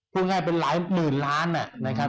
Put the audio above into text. พูดง่ายเป็นหลายหมื่นล้านนะครับ